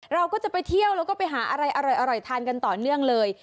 เราก็จะไปเที่ยวแล้วก็ไปหาอะไรอร่อยทานกันต่อเนื่องเลย